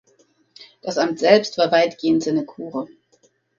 Das Amt selbst war weitgehend Sinekure.